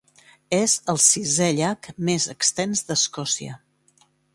És el sisè llac més extens d'Escòcia.